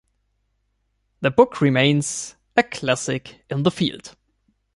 The book remains a classic in the field.